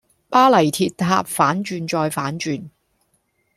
巴黎鐵塔反轉再反轉